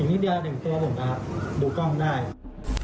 อีกนิดเดียวหนึ่งแค่ผมครับดูกล้องมันได้